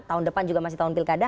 tahun depan juga masih tahun pilkada